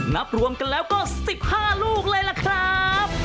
นับรวมกันแล้วก็๑๕ลูกเลยล่ะครับ